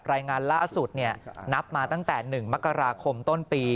รายงานล่าสุดนับมาตั้งแต่๑มกราคมต้นปี